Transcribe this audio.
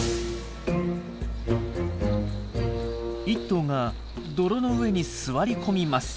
１頭が泥の上に座り込みます。